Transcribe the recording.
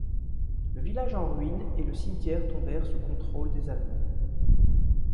Le village en ruines et le cimetière tombèrent sous contrôle des Allemands.